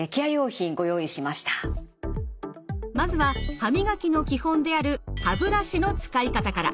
まずは歯磨きの基本である歯ブラシの使い方から。